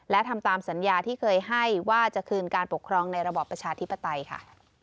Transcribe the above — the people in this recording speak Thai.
และทำตามสัญญาที่เคยให้ว่าจะคืนการปกครองในระบอบประชาธิปไตยค่ะ